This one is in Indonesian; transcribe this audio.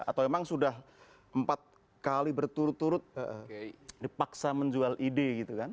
atau memang sudah empat kali berturut turut dipaksa menjual ide gitu kan